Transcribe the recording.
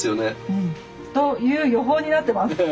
うん。という予報になってます。